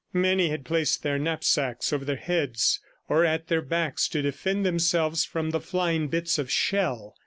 Many had placed their knapsacks over their heads or at their backs to defend themselves from the flying bits of shell.